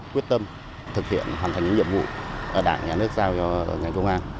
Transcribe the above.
quyết tâm thực hiện hoàn thành những nhiệm vụ đảng nhà nước giao cho ngành công an